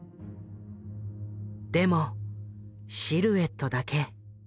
でもシルエットだけ。